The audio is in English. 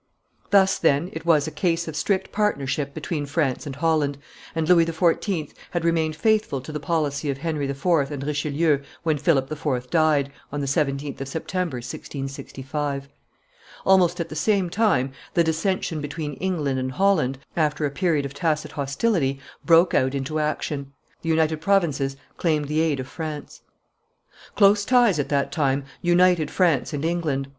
Thus, then, it was a case of strict partnership between France and Holland, and Louis XIV. had remained faithful to the policy of Henry IV. and Richelieu when Philip IV. died, on the 17th of September, 1665. Almost at the same time the dissension between England and Holland, after a period of tacit hostility, broke out into action. The United Provinces claimed the aid of France. Close ties at that time united France and England.